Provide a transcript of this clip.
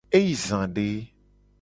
E yi za de.